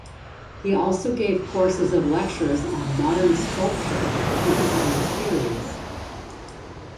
He also gave courses of lectures on modern sculpture and his own theories.